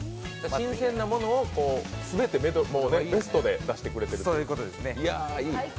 新鮮なものを全てベストでだしていただいてる。